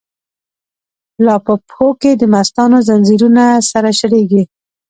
لاپه پښو کی دمستانو، ځنځیرونه سره شلیږی